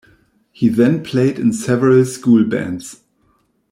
He then played in several school bands.